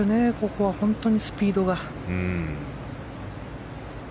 ここは本当に、スピードが。